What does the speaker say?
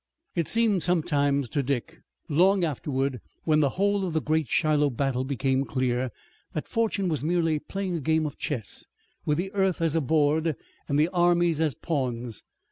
It seemed sometimes to Dick long afterward, when the whole of the great Shiloh battle became clear, that Fortune was merely playing a game of chess, with the earth as a board, and the armies as pawns.